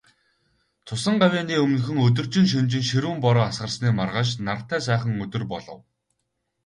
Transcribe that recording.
Цусан гавьяаны өмнөхөн, өдөржин, шөнөжин ширүүн бороо асгарсны маргааш нартай сайхан өдөр болов.